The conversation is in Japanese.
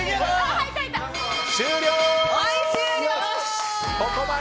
終了！